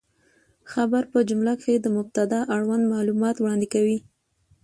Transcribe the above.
خبر په جمله کښي د مبتداء اړوند معلومات وړاندي کوي.